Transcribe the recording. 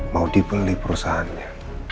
mau dibeli perusahaannya